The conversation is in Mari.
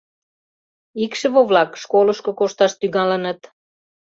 Икшыве-влак школышко кошташ тӱҥалыныт.